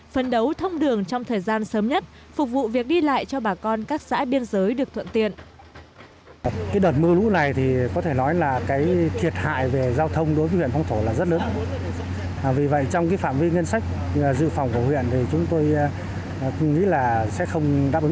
phân đấu thông đường trong thời gian sớm nhất phục vụ việc đi lại cho bà con các xã biên giới được thuận tiện